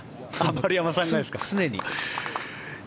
丸山さんがですね。